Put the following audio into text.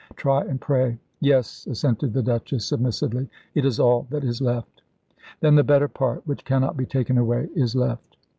Try and pray." "Yes," assented the Duchess, submissively; "it is all that is left." "Then the better part, which cannot be taken away, is left."